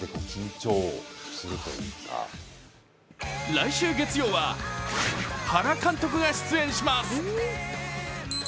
来週月曜は原監督が出演します。